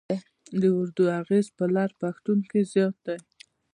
د اردو اغېز په لر پښتون کې زیات دی.